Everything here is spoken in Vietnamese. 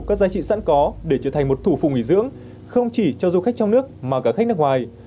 các giá trị sẵn có để trở thành một thủ phủ nghỉ dưỡng không chỉ cho du khách trong nước mà cả khách nước ngoài